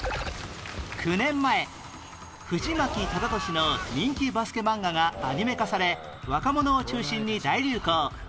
９年前藤巻忠俊の人気バスケ漫画がアニメ化され若者を中心に大流行